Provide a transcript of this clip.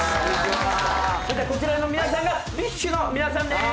こちらの皆さんがＢｉＳＨの皆さんです。